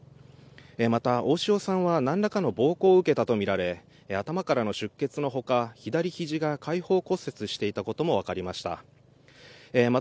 また大塩さんはなんらかの暴行を受けたとみられ頭からの出血のほか左ひじが開放骨折していたこともわかりました。